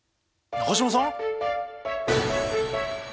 中島さん！？